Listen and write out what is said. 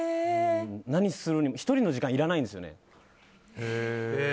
１人の時間、いらないんですよね。